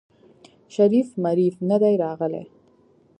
شريف مريف ندی راغلی.